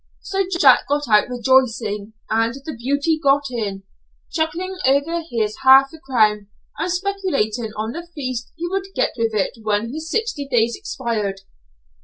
So Jack got out rejoicing, and the beauty got in, chuckling over his half a crown, and speculating on the feast he would get with it when his sixty days expired!"